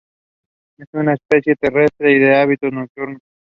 Es una especie terrestre y de hábitos nocturnos.